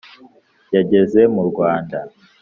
Yageze mu Rwanda